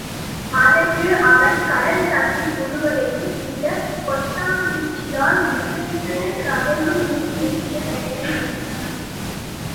அதற்கு அவன், கடல் தண்ணீர் முழுவதையும் இந்தக் கொட்டாங்கச்சியால் இறைத்துக் கரையில் ஊற்றுகின்ற வேலை என்றான்.